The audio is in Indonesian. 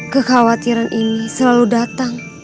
kekhawatiran ini selalu datang